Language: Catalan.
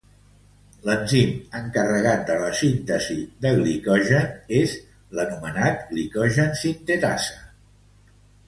L'enzim encarregat de la síntesi de glicogen és l'anomenat Glicogen sintetasa.